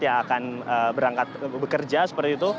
yang akan berangkat bekerja seperti itu